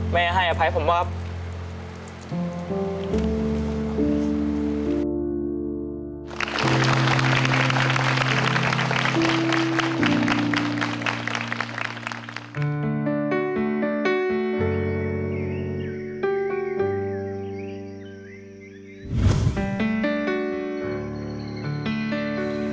มีอะไรดีสุดครับแม่ให้อภัยผมมากครับ